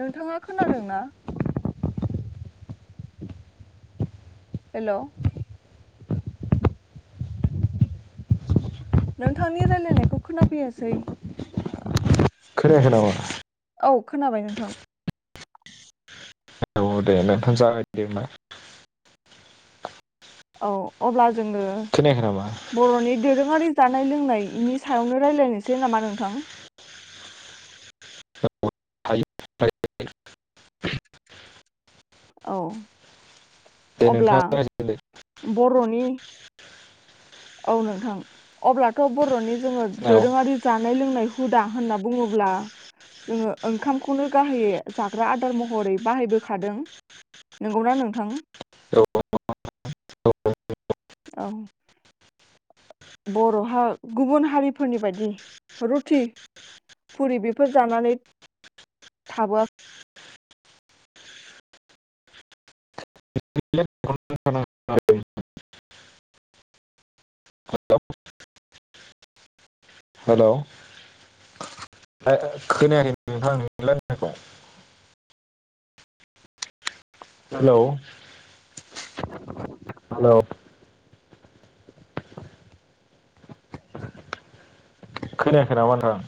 नोंथाङा खोनादों ना? हेल' नोंथांनि रायलायनायखौ खोनाफैयासै। खोनायाखै नामा? औ खोनाबाय नोंथां। औ दे नोंथां जागायदो हबा औ अब्ला जोङो खोनायाखै नामा बर'नि दोरोङारि। जानाय लोंनायनि सायावनो रायलायनोसै नामा नोंथां। [unintelligible] औ। दे अब्ला नोंथाङा जागायजेनदो बर'नि औ नोंथां अब्लाथ' बर'नि। जोङो औ दोरोङारि जानाय लोंनायखौ। हुदा होनना बुङोब्ला जोङो ओंखामखौनो गाहायै जाग्रा आदार महरै बाहायबोखादों नोंगौना नोंथां। औ। औ। बर'हा गुबुन हारिफोरनि बादि रुथि पुरि बेफोर जानानै थाबोआ [unintelligible] हेल' ओ खोनायाखै नोंथां नोंनि रायनायखौ। Hello hello. खोनायाखै नामा नोंथां?